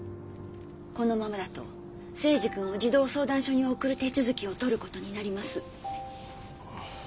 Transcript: このままだと征二君を児童相談所に送る手続きをとることになります。